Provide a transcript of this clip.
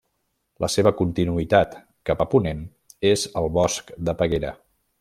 La seva continuïtat cap a ponent és el Bosc de Peguera.